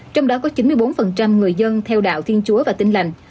trong đó có chín mươi bốn người dân theo đạo thiên chúa và tin lành